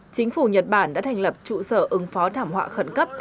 chính phủ nhật bản đã thành lập trụ sở ứng phó thảm họa khẩn cấp